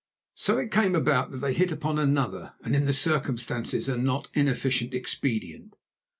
So it came about that they hit upon another, and in the circumstances a not inefficient expedient.